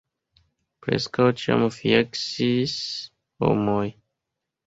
Preskaŭ ĉiam fiaskis homoj.